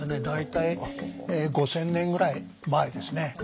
大体５０００年ぐらい前ですね。